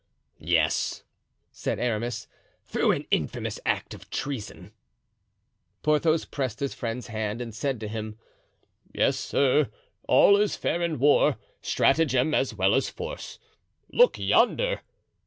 "Yes," said Aramis, "through an infamous act of treason." Porthos pressed his friend's hand and said to him: "Yes, sir, all is fair in war, stratagem as well as force; look yonder!"